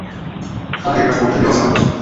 ওকে এটা করতে দেওয়া যাবে না!